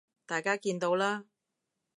大家見到啦